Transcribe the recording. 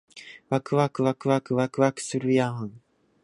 わくわくわくわくわくするやーん